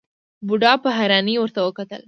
بوډا په حيرانۍ ورته وکتل.